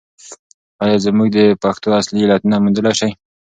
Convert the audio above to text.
آیا موږ د پېښو اصلي علتونه موندلای شو؟